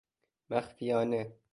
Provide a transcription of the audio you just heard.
مخفیانه